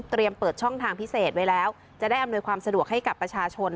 เปิดช่องทางพิเศษไว้แล้วจะได้อำนวยความสะดวกให้กับประชาชน